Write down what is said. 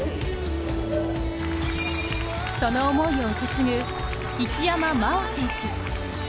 その思いを受け継ぐ一山麻緒選手。